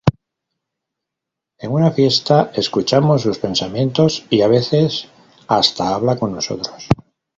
En una fiesta, escuchamos sus pensamientos y a veces hasta habla con nosotros.